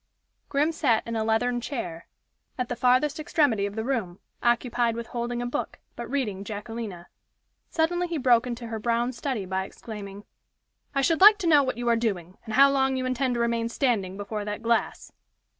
Grim sat in a leathern chair, at the farthest extremity of the room, occupied with holding a book, but reading Jacquelina. Suddenly he broke into her brown study by exclaiming: "I should like to know what you are doing, and how long you intend to remain standing before that glass."